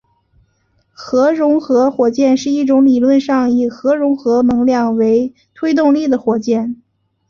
核融合火箭是一种理论上以核融合能量作为推动力的火箭。